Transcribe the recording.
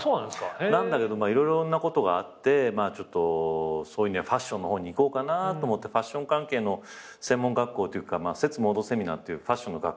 なんだけど色々なことがあってファッションの方に行こうかなと思ってファッション関係の専門学校っていうかセツ・モードセミナーっていうファッションの学校